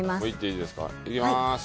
いきます！